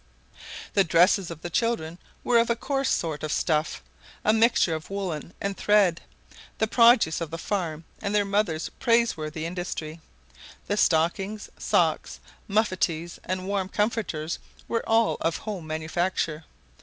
The dresses of the children were of a coarse sort of stuff, a mixture of woollen and thread, the produce of the farm and their mother's praiseworthy industry. The stockings, socks, muffatees, and warm comforters were all of home manufacture.